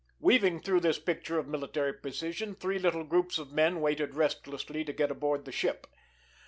Weaving through this picture of military precision, three little groups of men waited restlessly to get aboard the ship.